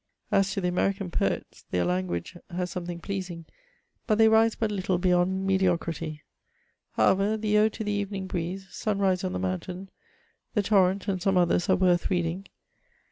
As to the American poets, their language has something pleas ing ; but they rise but little beyond me<£ocrity. However, the Ode to the Evening Breeze," '^ Sunrise on the Mountain,'* the <' Torrent," and some others, are worth reading.